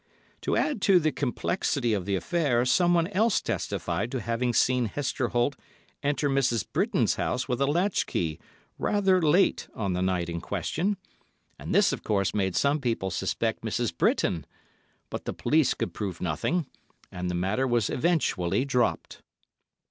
To add to the complexity of the affair, someone else testified to having seen Hester Holt enter Mrs. Britton's house with a latch key rather late on the night in question; and this of course made some people suspect Mrs. Britton, but the police could prove nothing, and the matter was eventually dropped.